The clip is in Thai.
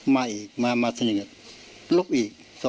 มาอีกมามาซักทีลุกอีก